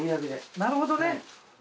なるほどね。